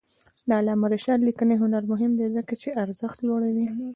د علامه رشاد لیکنی هنر مهم دی ځکه چې ارزښت لوړوي.